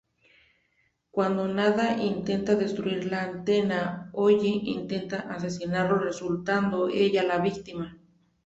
Cuando Nada intenta destruir la antena, Holly intenta asesinarlo resultando ella la víctima.